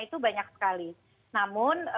itu banyak sekali namun